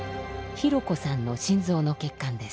ひろこさんの心臓の血管です。